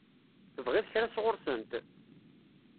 Tebɣiḍ kra sɣur-sent?